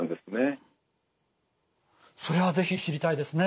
それは是非知りたいですね。